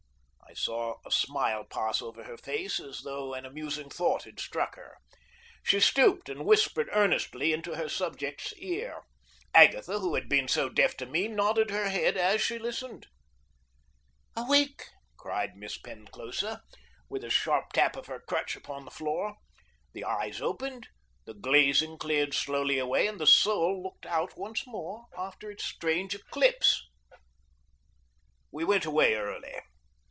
I saw a smile pass over her face, as though an amusing thought had struck her. She stooped and whispered earnestly into her subject's ear. Agatha, who had been so deaf to me, nodded her head as she listened. "Awake!" cried Miss Penclosa, with a sharp tap of her crutch upon the floor. The eyes opened, the glazing cleared slowly away, and the soul looked out once more after its strange eclipse. We went away early.